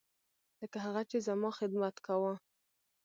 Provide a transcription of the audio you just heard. لکه هغه چې زما خدمت کاوه.